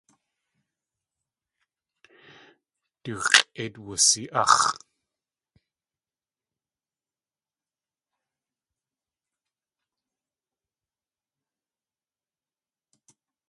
Du x̲ʼéit wusi.áx̲.